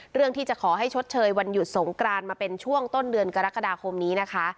เรื่องที่จะขอให้ชดเชยวันหยุดสงกรานมาเป็นช่วงต้นเดือนกรกฎาคมนี้นะคะ